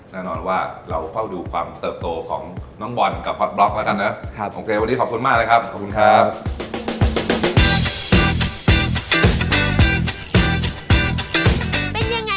แน่นอนว่าเราเฝ้าดูความเติบโตของน้องบ่อนกับพอร์ตบล็อกแล้วกันนะ